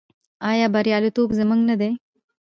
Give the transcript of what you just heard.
آیا بریالیتوب زموږ نه دی؟